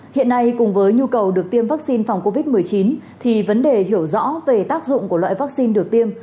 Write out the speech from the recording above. hiện nay cùng với nhu cầu được tiêm vaccine phòng covid một mươi chín thì vấn đề hiểu rõ về tác dụng của loại vaccine được tiêm